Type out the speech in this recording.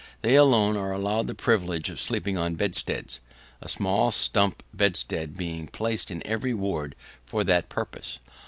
They alone are allowed the privilege of sleeping on bedsteads; a small stump bedstead being placed in every ward for that purpose.